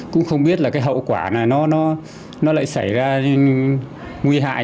cũng không biết là cái hậu quả này nó lại xảy ra nguy hại